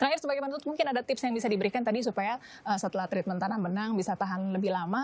terakhir sebagai bentuk mungkin ada tips yang bisa diberikan tadi supaya setelah treatment tanah menang bisa tahan lebih lama